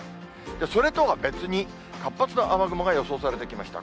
それとは別に、活発な雨雲が予想されてきました。